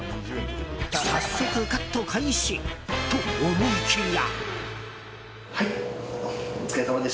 早速、カット開始と思いきや。